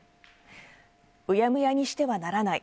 うやむやにしてはならない。